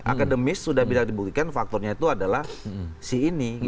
akademis sudah bisa dibuktikan faktornya itu adalah si ini